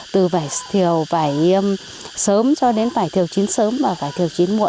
từ vải thiều vải sớm cho đến vải thiều chính sớm và vải thiều chính muộn